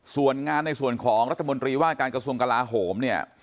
ส่วนงานในส่วนของรัฐมนตรีว่าการกระทรวงกลาโหมเนี่ย